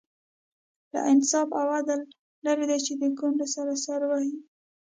له انصاف او عدل لرې دی چې د کونډو سر سر وهي.